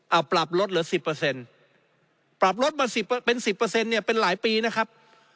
เอาปรับลดเหลือ๑๐ปรับลดมา๑๐เป็น๑๐เนี่ยเป็นหลายปีนะครับ